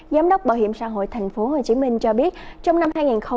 giám đốc bảo hiểm xã hội tp hcm cho biết trong năm hai nghìn một mươi chín